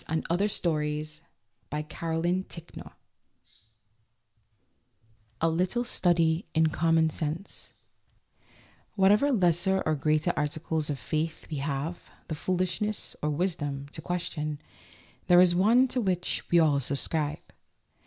A LITTLE STUDY IN COMMON SENSE A LITTLE STUDY IN COM MON SENSE WHATEVER lesser or greater articles of faith we have the foolishness (or wisdom) to question, there is one to which we all subscribe.